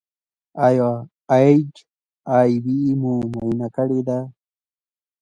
ایا ایچ آی وي مو معاینه کړی دی؟